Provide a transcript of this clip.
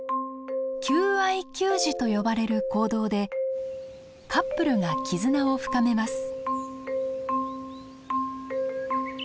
「求愛給餌」と呼ばれる行動でカップルが絆を深めます。